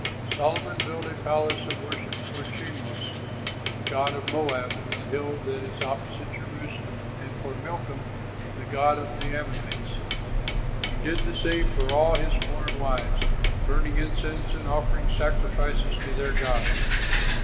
Solomon built a place of worship for Chemosh, the god of Moab, on the hill that is opposite Jerusalem, and for Milcom, the god of the Ammonites. He did the same for all his foreign wives, burning incense and offering sacrifices to their gods.